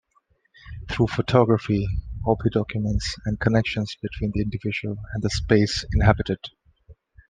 Through photography Opie documents the connections between the individual and the space inhabited.